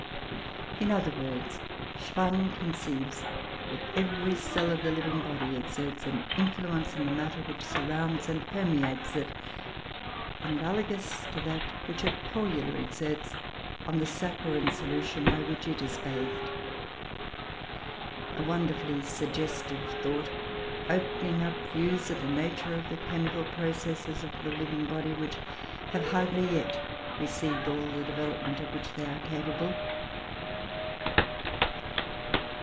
In other words, Schwann conceives that every cell of the living body exerts an influence on the matter which surrounds and permeates it, analogous to that which a Torula exerts on the saccharine solution by which it is bathed. A wonderfully suggestive thought, opening up views of the nature of the chemical processes of the living body, which have hardly yet received all the development of which they are capable.